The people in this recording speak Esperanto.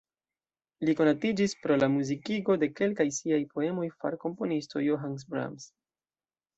Li konatiĝis pro la muzikigo de kelkaj siaj poemoj far komponisto Johannes Brahms.